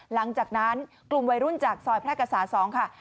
หลังจากนั้นกลุ่มวัยรุ่นจากซอยแพร่กษา๒ค่ะ